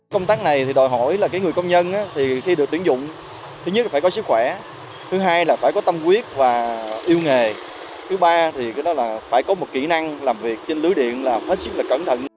công tác này đòi hỏi là người công nhân khi được tuyển dụng thứ nhất là phải có sức khỏe thứ hai là phải có tâm quyết và yêu nghề thứ ba là phải có một kỹ năng làm việc trên lưới điện là hết sức cẩn thận